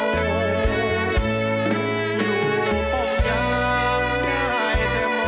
ลูกผมยามได้รัก